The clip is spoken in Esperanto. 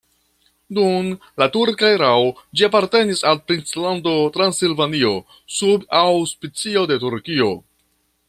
Dum la turka erao ĝi apartenis al Princlando Transilvanio sub aŭspicio de Turkio.